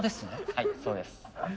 はいそうです。